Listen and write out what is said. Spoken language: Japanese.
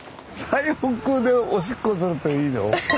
最北でおしっこするっていいよ。